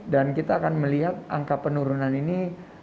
dan kita akan melihat angka penurunan ini